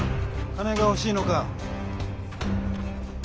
金が欲しいのか。